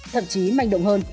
thậm chí manh động hơn